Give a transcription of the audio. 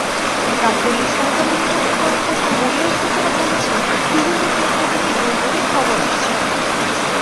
গাবতলীর সহকারী রিটার্নিং কর্মকর্তা মনিরা সুলতানা বলেছেন, বিভিন্ন কেন্দ্র থেকে গোলযোগের খবর আসছে।